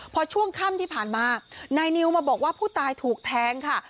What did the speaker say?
พอช่วงค่ำที่ผ่านมานายนิวมาบอกว่าผู้ตายถูกแทงค่ะ